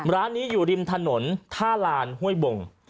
ร้านนี้อยู่ริมถนนท่าลานห้วยบง